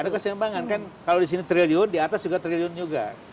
ada kesempatan kan kalau disini triliun di atas juga triliun juga